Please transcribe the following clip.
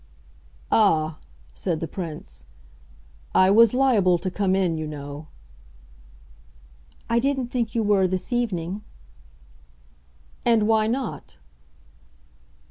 "Ah," said the Prince, "I was liable to come in, you know." "I didn't think you were this evening." "And why not?"